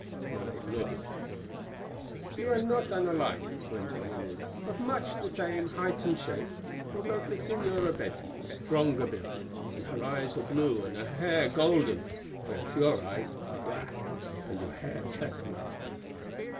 Margaret nodded. "You are not unlike," went on Inez, "of much the same height and shape, although the Señora Betty is stronger built, and her eyes are blue and her hair golden, whereas your eyes are black and your hair chestnut.